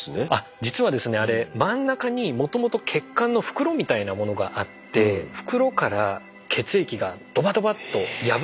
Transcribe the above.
実はあれ真ん中にもともと血管の袋みたいなものがあって袋から血液がドバドバッと破れて流れ始めるってそういうシーンを。